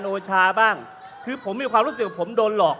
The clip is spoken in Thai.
คุณจิลายุเขาบอกว่ามันควรทำงานร่วมกัน